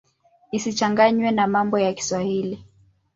Isichanganywe na mambo ya Kiswahili.